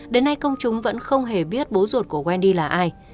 đến nay công chúng vẫn không hề biết bố ruột của wendy là ai